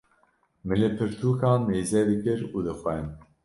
min li pirtûkan mêze dikir û dixwend.